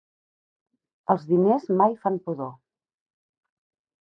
Els diners mai fan pudor.